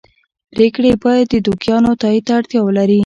پرېکړې یې باید د دوکیانو تایید ته اړتیا ولري.